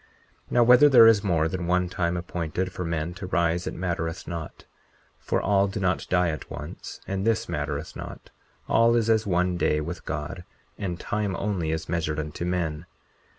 40:8 Now whether there is more than one time appointed for men to rise it mattereth not; for all do not die at once, and this mattereth not; all is as one day with God, and time only is measured unto men.